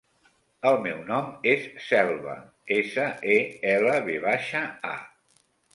El meu nom és Selva: essa, e, ela, ve baixa, a.